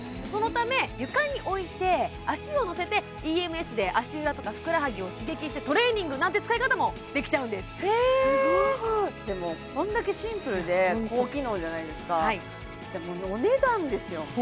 そのため床に置いて足をのせてＥＭＳで足裏とかふくらはぎを刺激してトレーニングなんて使い方もできちゃうんですでもこんだけシンプルで高機能じゃないですかお値段ですよ